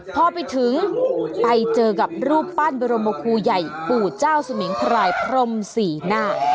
พอไปถึงไปเจอกับรูปปั้นบรมครูใหญ่ปู่เจ้าสมิงพรายพรมสี่หน้า